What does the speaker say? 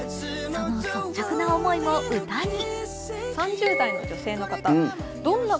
その率直な思いも歌に。